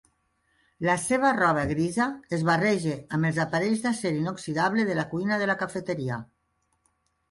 La seva roba grisa es barreja amb els aparells d'acer inoxidable de la cuina de la cafeteria.